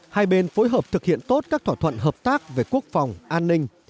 hai bên phối hợp thực hiện tốt các thỏa thuận hợp tác về quốc phòng an ninh